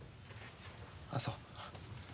あそう。